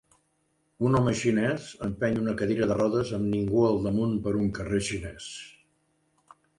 Un home xinès empeny una cadira de rodes amb ningú al damunt per un carrer xinès.